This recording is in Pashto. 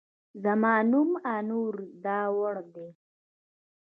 زما نوم انور داوړ دی